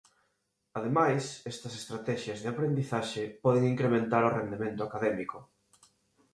Ademais estas estratexias de aprendizaxe poden incrementar o rendemento académico.